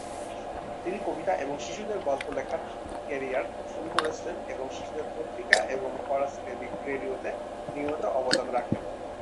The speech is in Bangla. তিনি কবিতা এবং শিশুদের গল্প লেখার কেরিয়ার শুরু করেছিলেন এবং শিশুদের পত্রিকা এবং ফরাসী রেডিওতে নিয়মিত অবদান রাখেন।